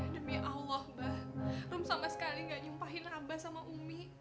demi allah mbah rom sama sekali gak nyumpain abah sama umi